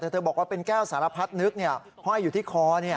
แต่เธอบอกว่าเป็นแก้วสารพัดนึกห้อยอยู่ที่คอ